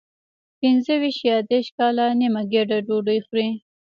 پنځه ویشت یا دېرش کاله نیمه ګېډه ډوډۍ خوري.